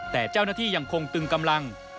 แต่เจ้าหน้าที่ยังคงตึงกำลัง